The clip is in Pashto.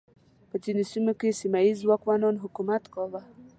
په ځینو سیمو کې سیمه ییزو واکمنانو حکومت کاوه.